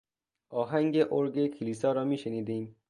آهنگ ارگ کلیسا را میشنیدیم.